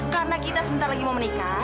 karena kita sebentar lagi mau menikah